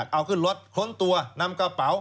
เอาขึ้นรถค้นตัวนำกระเป๋า